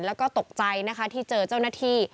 แล้วก็ตกใจนะคะที่เจอเจ้าหน้าที่